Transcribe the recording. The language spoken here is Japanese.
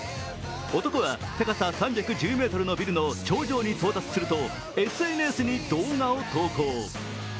男は高さ３１０ｍのビルの頂上に到達するとＳＮＳに動画を投稿。